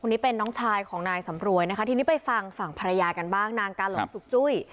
นี้เป็นน้องชายของนายสำรวยนะคะทีนี้ไปฟังฝั่งภรรยากันบ้างนางกาหลงสุกจุ้ย